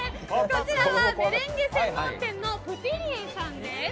こちらは、メレンゲ専門店のプティリエさんです。